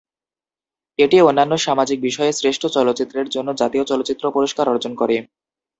এটি অন্যান্য সামাজিক বিষয়ে শ্রেষ্ঠ চলচ্চিত্রের জন্য জাতীয় চলচ্চিত্র পুরস্কার অর্জন করে।